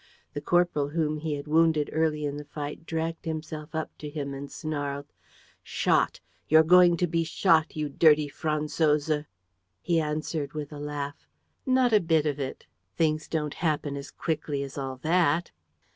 The corporal whom he had wounded early in the fight dragged himself up to him and snarled: "Shot! ... You're going to be shot, you dirty Franzose!" He answered, with a laugh: "Not a bit of it! Things don't happen as quickly as all that."